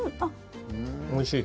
おいしい。